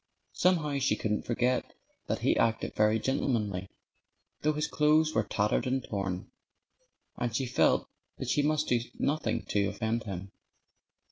Somehow she couldn't forget that he acted very gentlemanly, though his clothes were tattered and torn. And she felt that she must do nothing to offend him.